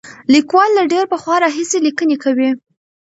لیکوال له ډېر پخوا راهیسې لیکنې کوي.